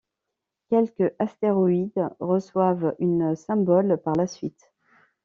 Quelques astéroïdes reçoivent une symbole par la suite.